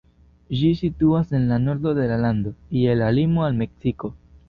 Ĝi situas en la nordo de la lando, je la limo al Meksiko.